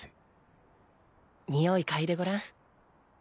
におい嗅いでごらん。